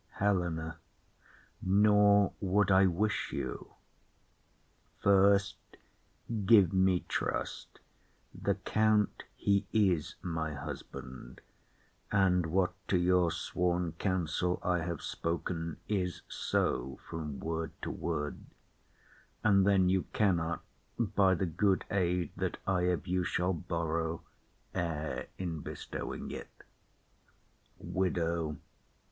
HELENA. Nor would I wish you. First give me trust, the count he is my husband, And what to your sworn counsel I have spoken Is so from word to word; and then you cannot, By the good aid that I of you shall borrow, Err in bestowing it. WIDOW.